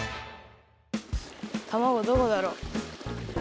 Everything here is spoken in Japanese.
たまごどこだろう？